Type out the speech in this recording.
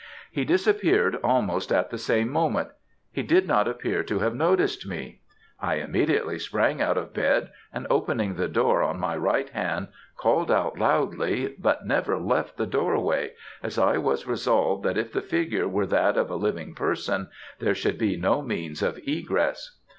He disappeared almost at the same moment. He did not appear to have noticed me. I immediately sprang out of bed and opening the door on my right hand, called out loudly, but never left the doorway, as I was resolved that if the figure were that of a living person there should be no means of egress.